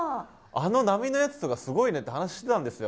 あの波のやつとかすごいねって話してたんですよ。